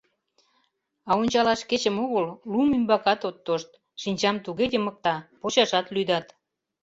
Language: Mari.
А ончалаш кечым огыл, лум ӱмбакат от тошт: шинчам туге йымыкта, почашат лӱдат.